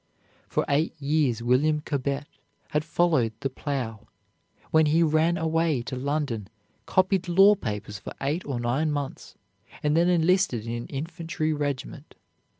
For eight years William Cobbett had followed the plow, when he ran away to London, copied law papers for eight or nine months, and then enlisted in an infantry regiment.